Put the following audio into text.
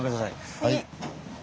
はい。